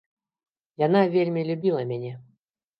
Яна вельмі любіла мяне.